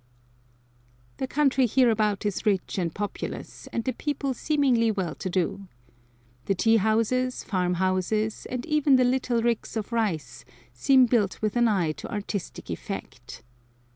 The country hereabout is rich and populous, and the people seemingly well to do. The tea houses, farm houses, and even the little ricks of rice seem built with an eye to artistic effect.